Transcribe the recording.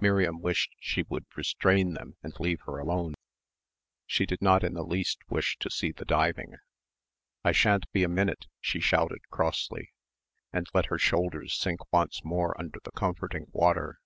Miriam wished she would restrain them and leave her alone. She did not in the least wish to see the diving. "I shan't be a minute," she shouted crossly, and let her shoulders sink once more under the comforting water.